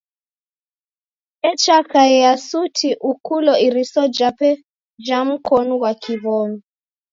Echakaia suti ukulo iriso jape ja mkonu ghwa kiw'omi .